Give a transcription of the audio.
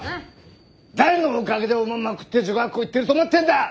誰のおかげでおまんま食って女学校行ってると思ってんだ！